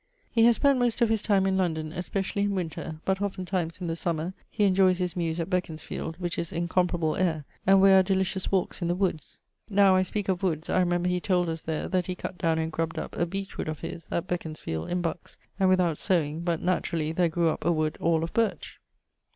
He has spent most of his time in London, especially in winter; but oftentimes in the summer he enjoyes his muse at Beconsfield, which is incomparable aire, and where are delicious walks in the woods. Now I speake of woods, I remember he told us there, that he cutt downe and grubbed up a beech wood of his, at Beconsfield in Bucks, and without soweing, but naturally, there grew up a wood all of birch.